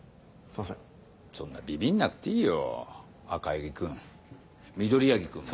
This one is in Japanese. そんなビビんなくていいよ赤ヤギ君緑ヤギ君も。